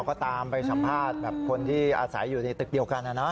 อ่าเราก็ตามไปชำภาษณ์คนที่อาศัยอยู่ในจึกเดียวกันอ่ะเนาะ